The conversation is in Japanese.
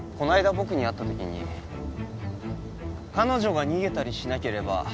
僕に会ったときに「彼女が逃げたりしなければ」